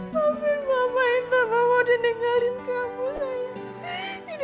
mampir mama intan bakal meninggalin kamu sayang